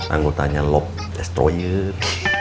anggutannya lob destroyer